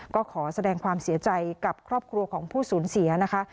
ก็ขอแสดงความเสียใจกับครอบครัวของผู้สูญเสียนะคะ